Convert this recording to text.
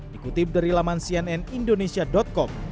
dikutip dari laman cnnindonesia com